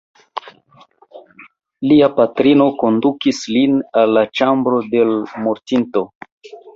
Lia patrino kondukis lin al la ĉambro de l' mortinto.